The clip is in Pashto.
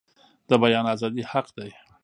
د بیان ازادي حق دی